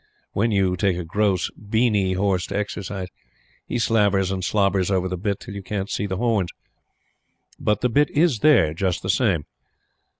When you take a gross, "beany" horse to exercise, he slavers and slobbers over the bit till you can't see the horns. But the bit is there just the same.